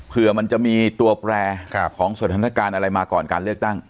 เพื่อมันจะมีตัวแปรของสถานการณ์อะไรมาก่อนการเลือกตั้ง